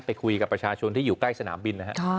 ไปคุยกับประชาชนที่อยู่ใกล้สนามบินนะครับ